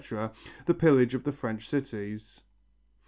the pillage of the French cities.